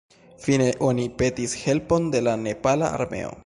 Fine, oni petis helpon de la Nepala Armeo.